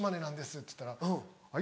っつったら「はい」。